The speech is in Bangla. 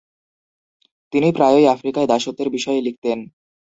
তিনি প্রায়ই আফ্রিকায় দাসত্বের বিষয়ে লিখতেন।